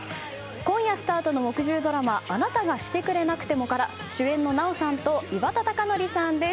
今夜スタートの木１０ドラマ「あなたがしてくれなくても」から主演の奈緒さんと岩田剛典さんです。